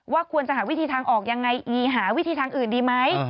ควรจะหาวิธีทางออกยังไงหาวิธีทางอื่นดีไหม